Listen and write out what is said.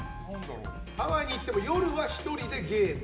ハワイに行っても夜は１人でゲーム。